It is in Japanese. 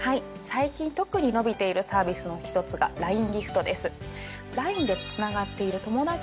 最近特に伸びているサービスの一つが「ＬＩＮＥギフト」です。